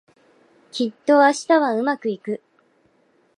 きっと明日はうまくいく